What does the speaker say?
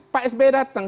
pak sbi datang